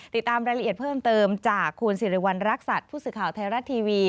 ติดตามรายละเอียดเพิ่มเติมจากคุณสิริวัณรักษัตริย์ผู้สื่อข่าวไทยรัฐทีวี